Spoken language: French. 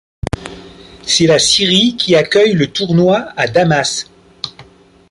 C'est la Syrie qui accueille le tournoi, à Damas.